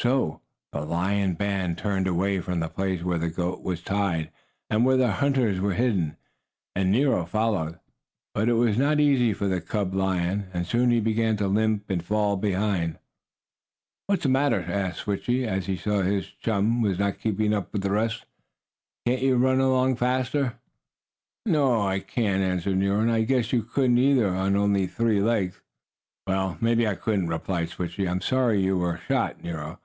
So the lion band turned away from the place where the goat was tied and where the hunters were hidden, and Nero followed. But it was not easy for the cub lion, and soon he began to limp and fall behind. "What's the matter?" asked Switchie, as he saw that his chum was not keeping up with the rest. "Can't you run along faster?" "No, I can't," answered Nero. "And I guess you couldn't either, on only three legs." "Well, maybe I couldn't," replied Switchie. "I'm sorry you were shot, Nero.